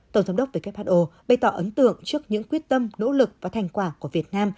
tổng giám đốc who bày tỏ ấn tượng trước những quyết tâm nỗ lực và thành quả của việt nam